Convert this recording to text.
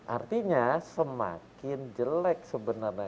artinya semakin jelek sebenarnya